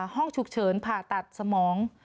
ห้องฉุกเฉินผ่าตัดสมอง